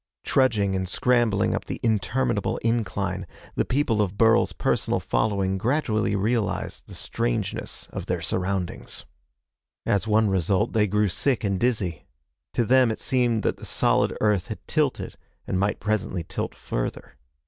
Trudging and scrambling up the interminable incline, the people of Burl's personal following gradually realized the strangeness of their surroundings. As one result, they grew sick and dizzy. To them it seemed that the solid earth had tilted, and might presently tilt further.